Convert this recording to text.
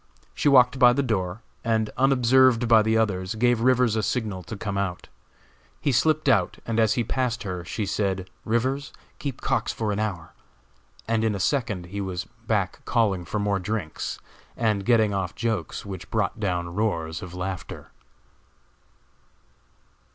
She walked by the door, and, unobserved by the others, gave Rivers a signal to come out. He slipped out, and as he passed her she said: "Rivers, keep Cox for an hour," and in a second he was back calling for more drinks, and getting off jokes which brought down roars of laughter.